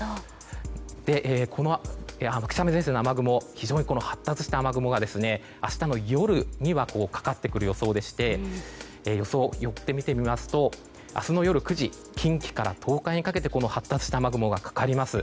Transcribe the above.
非常に発達した雨雲が明日の夜にはかかってくる予想でして予想、寄って見てみますと明日の夜９時近畿から東海にかけて発達した雨雲がかかります。